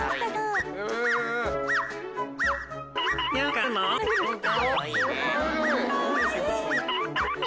「かわいいね」